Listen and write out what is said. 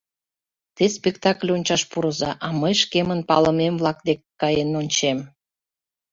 Те спектакль ончаш пурыза, а мый шкемын палыме-влакем дек каен ончем.